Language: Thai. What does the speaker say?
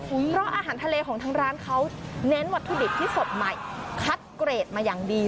เพราะอาหารทะเลของทางร้านเขาเน้นวัตถุดิบที่สดใหม่คัดเกรดมาอย่างดี